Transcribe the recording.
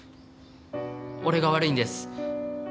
俺が悪いんです。